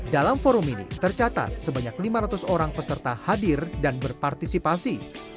dalam forum ini tercatat sebanyak lima ratus orang peserta hadir dan berpartisipasi